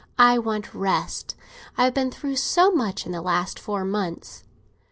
I want rest; I have been through so much in the last four months."